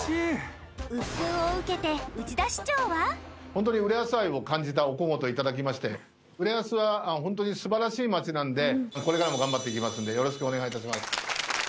本当に浦安愛を感じたお小言をいただきまして浦安は本当に素晴らしい街なんでこれからも頑張っていきますんでよろしくお願いいたします